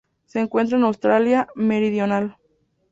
Se encuentra en Australia Meridional.